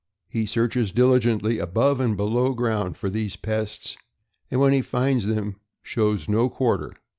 He searches diligently above and below ground for these pests, and when he finds them shows no quar ter.